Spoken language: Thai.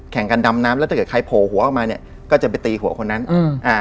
แข่งกันดำน้ำแล้วถ้าเกิดใครโผล่หัวออกมาเนี้ยก็จะไปตีหัวคนนั้นอืมอ่า